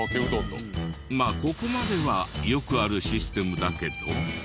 まあここまではよくあるシステムだけど。